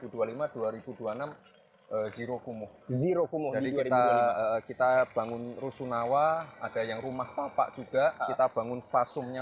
kumuh zero kumuh dari kita kita bangun rusunawa ada yang rumah papa juga kita bangun fasumnya